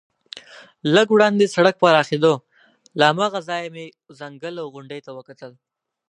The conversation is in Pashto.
لږ وړاندې سړک پراخېده، له هماغه ځایه مې ځنګل او غونډۍ ته وکتل.